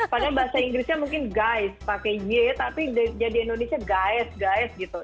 padahal bahasa inggrisnya mungkin guys pakai y tapi jadi indonesia guys guys gitu